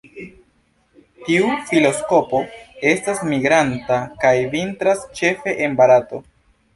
Tiu filoskopo estas migranta kaj vintras ĉefe en Barato.